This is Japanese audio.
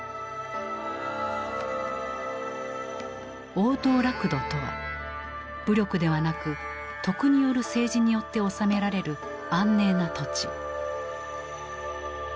「王道楽土」とは武力ではなく徳による政治によって治められる安寧な土地。